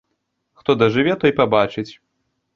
Хто дажыве, той пабачыць.